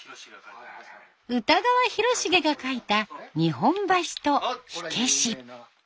歌川広重が描いた日本橋と火消し。